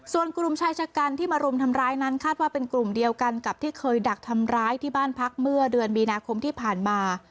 ส่วนกลุ่มชายชะกันที่มารุมทำร้ายนั้นคาดว่าเป็นกลุ่มเดียวกันกับที่เคยดักทำร้ายที่บ้านพักเมื่อเดือนมีนาคมที่ผ่านมา